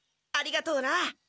ありがとうな！